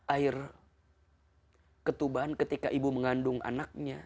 air ketuban ketika ibu mengandung anaknya